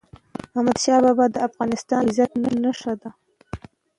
احمدشاه بابا د افغانستان د عزت نښه ده.